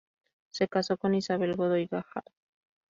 Se casó con Isabel Godoy Gajardo.